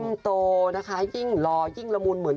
ยิ่งโตนะคะยิ่งรอยิ่งละมุน